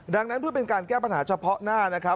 ดังนั้นเพื่อเป็นการแก้ปัญหาเฉพาะหน้านะครับ